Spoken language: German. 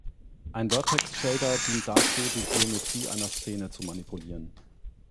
Ein Vertex-Shader dient dazu, die Geometrie einer Szene zu manipulieren.